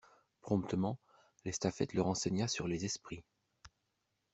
Promptement, l'estafette le renseigna sur les esprits.